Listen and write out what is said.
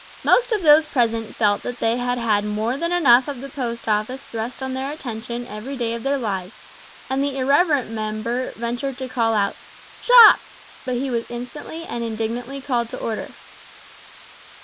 Most of those present felt that they had had more than enough of the Post Office thrust on their attention every day of their lives, and the irreverent member ventured to call out "Shop," but he was instantly and indignantly called to order.